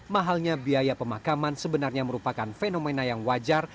mahalnya biaya pemakaman sebenarnya merupakan fenomena yang wajar